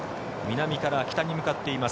南から北に向かっています。